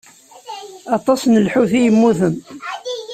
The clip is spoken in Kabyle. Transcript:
Aṭas n lḥut i yemmuten.